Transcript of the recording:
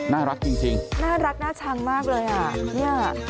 น่ารักจริงน่ารักน่าชังมากเลยอ่ะเนี่ย